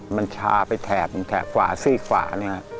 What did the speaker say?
มันชาไปแถบแถบขวาซีกขวานี้